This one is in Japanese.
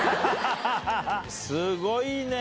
すごいね！